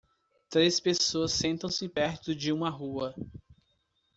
Três pessoas sentam-se perto de uma rua.